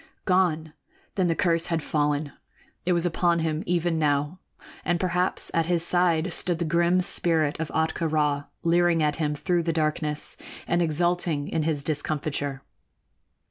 Gone! Then the curse had fallen. It was upon him even now, and perhaps at his side stood the grim spirit of Ahtka Rā, leering at him through the darkness and exulting in his discomfiture.